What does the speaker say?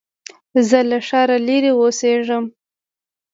زه له ښاره لرې اوسېږم